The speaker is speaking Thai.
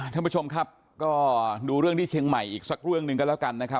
ท่านผู้ชมครับก็ดูเรื่องที่เชียงใหม่อีกสักเรื่องหนึ่งก็แล้วกันนะครับ